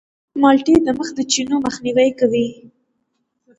مالټې د مخ د چینو مخنیوی کوي.